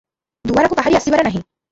ଦୁଆରକୁ କାହାରି ଆସିବାର ନାହିଁ ।